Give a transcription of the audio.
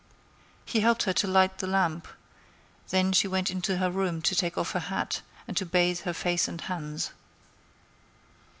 He helped her to light the lamp; then she went into her room to take off her hat and to bathe her face and hands.